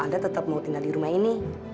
anda tetap mau tinggal di rumah ini